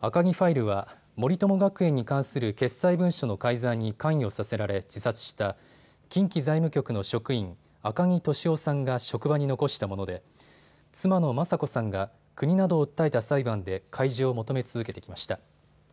赤木ファイルは森友学園に関する決裁文書の改ざんに関与させられ自殺した近畿財務局の職員、赤木俊夫さんが職場に残したもので妻の雅子さんが国などを訴えた裁判で開示を求め続けてきました。